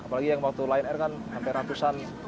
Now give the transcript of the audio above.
apalagi yang waktu lion air kan sampai ratusan